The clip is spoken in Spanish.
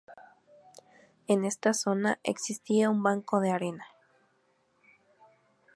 En esta zona existía un banco de arena.